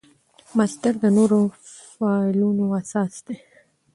مصدر د نورو فعلونو اساس دئ.